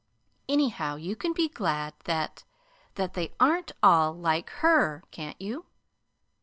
Anyhow, you can be glad that that they aren't ALL like HER, can't you?"